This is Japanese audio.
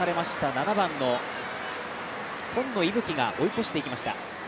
７番の今野息吹が追い越していきました。